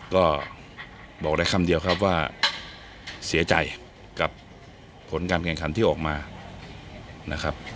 ก็บอกได้คำเดียวครับว่าเสียใจกับผลการแข่งขันที่ออกมานะครับ